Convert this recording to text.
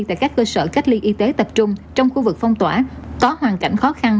tại các cơ sở cách ly y tế tập trung trong khu vực phong tỏa có hoàn cảnh khó khăn